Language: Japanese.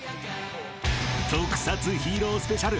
［特撮ヒーロースペシャル